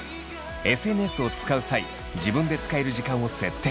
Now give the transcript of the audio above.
ＳＮＳを使う際自分で使える時間を設定。